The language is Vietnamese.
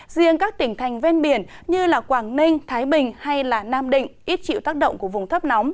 riêng các tỉnh thành ven biển như quảng ninh thái bình hay nam định ít chịu tác động của vùng thấp nóng